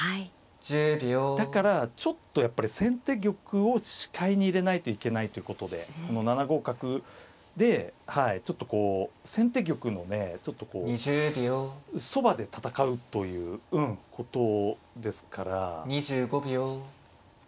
だからちょっとやっぱり先手玉を視界に入れないといけないということでこの７五角でちょっとこう先手玉のねちょっとこうそばで戦うということですから。